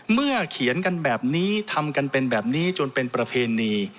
เมื่อเขียนกันแบบนี้ทำกันเป็นแบบนี้จนเป็นประเพณี